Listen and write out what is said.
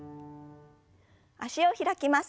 脚を開きます。